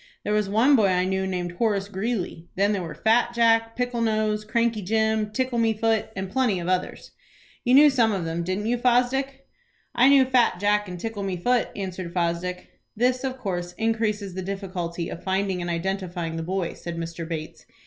There was one boy I knew named 'Horace Greeley'. Then there were 'Fat Jack,' 'Pickle Nose,' 'Cranky Jim,' 'Tickle me foot,' and plenty of others. You knew some of them, didn't you, Fosdick?" "I knew 'Fat Jack' and 'Tickle me Foot,'" answered Fosdick. "This of course increases the difficulty of finding and identifying the boy," said Mr. Bates.